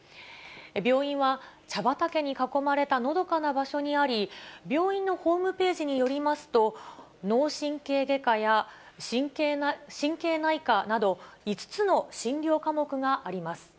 病院は茶畑に囲まれたのどかな場所にあり、病院のホームページによりますと、脳神経外科や神経内科など、５つの診療科目があります。